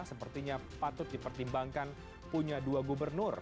sepertinya patut dipertimbangkan punya dua gubernur